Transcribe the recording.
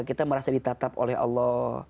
kita merasa ditatap oleh allah